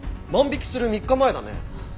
万引きする３日前だね。